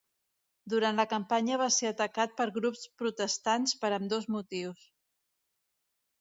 Durant la campanya va ser atacat per grups protestants per ambdós motius.